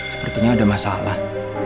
sepertinya ada masalah